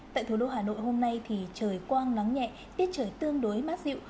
tại thủ đô hà nội hôm nay thì trời quang nắng nhẹ tiết trời tương đối mát dịu